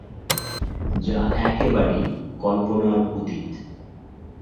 যা একেবারেই কল্পনার অতীত!